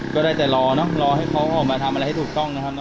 ก็ได้แต่รอเนอะรอให้เขาออกมาทำอะไรให้ถูกต้องนะครับ